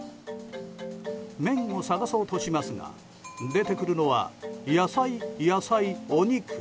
麺を探そうとしますが出てくるのは野菜、野菜、お肉。